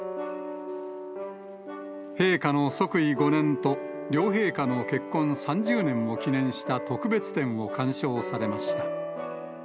陛下の即位５年と両陛下の結婚３０年を記念した特別展を鑑賞されました。